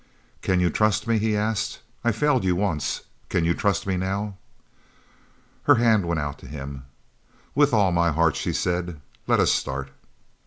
"Can you trust me?" he asked. "I failed you once. Can you trust me now?" Her hand went out to him. "With all my heart," she said. "Let us start!"